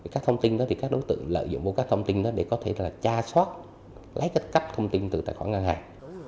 các thông tin đó thì các đối tượng lợi dụng vào các thông tin đó để có thể là tra soát lấy cách cấp thông tin tự tạp